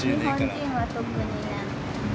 日本人は特にね。